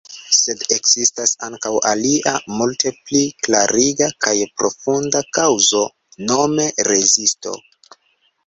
Sed ekzistas ankaŭ alia, multe pli klariga kaj profunda kaŭzo, nome rezisto.